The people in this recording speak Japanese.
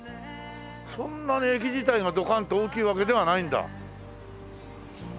そんなに駅自体がドカンと大きいわけではないんだ。